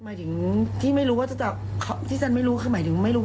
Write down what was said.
หมายถึงที่ไม่รู้ว่าจะจับ